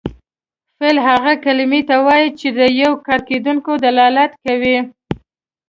فعل هغې کلمې ته وایي چې د یو کار کیدو دلالت کوي.